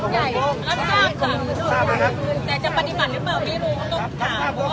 ไม่กลัวแล้ว